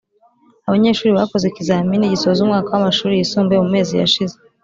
Abanyeshuri bakoze ikizamini gisoza umwaka wamashuri yisumbuye mumezi yashize